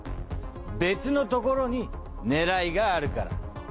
別のところに狙いがあるから。